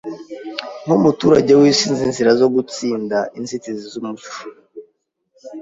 Nkumuturage wisi, nzi inzira zo gutsinda inzitizi zumuco.